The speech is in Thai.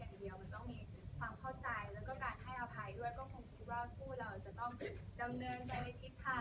ครามนั้นแล้วก็ไม่ว่าจะมีอะไรแล้วก็จะที่แก้ไขปัญหา